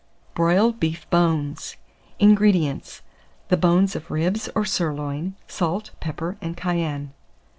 BROILED BEEF BONES. 614. INGREDIENTS. The bones of ribs or sirloin; salt, pepper, and cayenne.